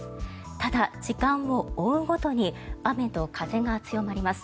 ただ、時間を追うごとに雨と風が強まります。